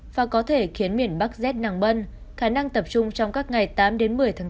và có thể khiến miền bắc rét nàng bân khả năng tập trung trong các ngày tám một mươi tháng bốn